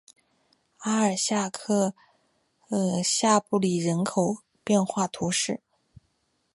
阿尔夏克下布里人口变化图示